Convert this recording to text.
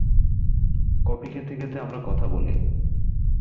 Coffee খেতে খেতে আমার কথা বলি।